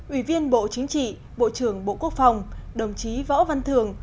ủy viên bộ chính trị bộ trưởng bộ quốc phòng đồng chí võ văn thường